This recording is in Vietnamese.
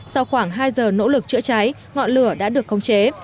sau khoảng hai giờ nỗ lực chữa cháy ngọn lửa đã được khống chế